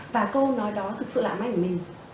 và câu nói đó thực sự là may của mình